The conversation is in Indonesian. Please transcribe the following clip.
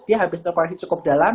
dia habis terkoreksi cukup dalam